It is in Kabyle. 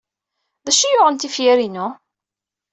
D acu ay yuɣen tifyar-inu?